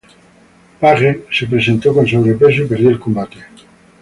Page se presentó con sobrepeso y perdió el combate.